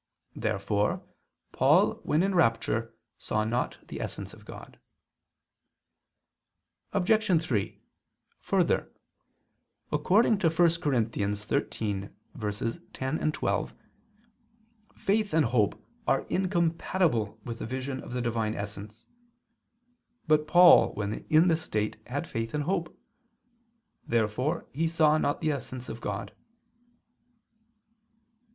Therefore Paul when in rapture saw not the essence of God. Obj. 3: Further, according to 1 Cor. 13:10 12, faith and hope are incompatible with the vision of the Divine essence. But Paul when in this state had faith and hope. Therefore he saw not the essence of God.